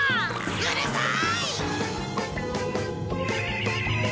うるさい！